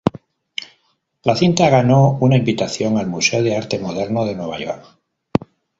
La cinta ganó una invitación al Museo de Arte Moderno de Nueva York.